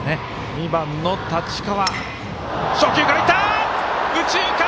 ２番の太刀川。